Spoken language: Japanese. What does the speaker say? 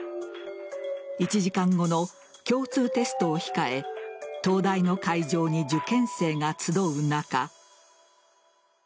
１時間後の共通テストを控え東大の会場に受験生が集う中